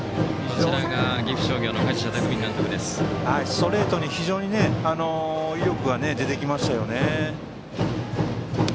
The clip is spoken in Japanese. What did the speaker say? ストレートに非常に威力が出てきましたよね。